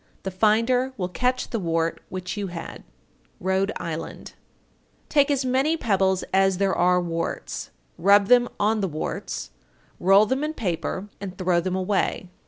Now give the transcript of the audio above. The finder will catch the wart which you had. Rhode Island. 909. Take as many pebbles as there are warts. Rub them on the warts. Roll them in paper and throw them away.